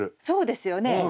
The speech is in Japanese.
そうですよね。